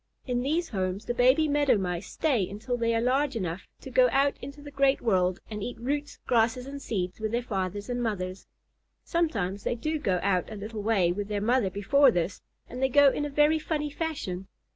In these homes the baby Meadow Mice stay until they are large enough to go out into the great world and eat roots, grasses, and seeds with their fathers and mothers. Sometimes they do go out a little way with their mother before this, and they go in a very funny fashion.